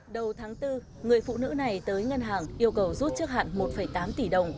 đầu tháng bốn người phụ nữ này tới ngân hàng yêu cầu rút trước hạn một tám tỷ đồng